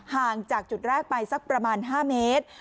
ห่างจากจุดแรกไปสักประมาณ๕เมตร